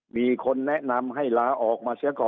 มีคนแนะนำให้ลาออกมาเสียก่อน